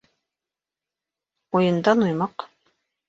Уйындан уймаҡ